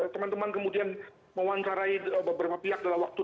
teman teman kemudian mewawancarai beberapa pihak dalam waktu dua tiga hari